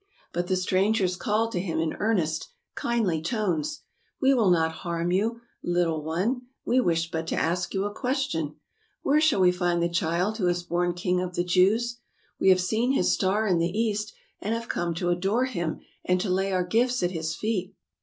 But the strangers called to him in earnest, kindly tones, will not harm you, little one, we wish but to ask you a question. Where shall we find the child who is born king of the Jews? We have seen his star in the East and have come to adore him and to lay our gifts at his feet.